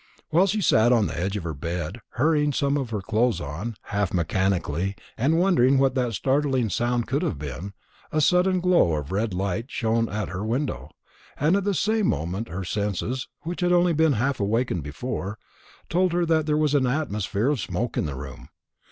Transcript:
While she sat on the edge of her bed hurrying some of her clothes on, half mechanically, and wondering what that startling sound could have been, a sudden glow of red light shone in at her window, and at the same moment her senses, which had been only half awakened before, told her that there was an atmosphere of smoke in the room.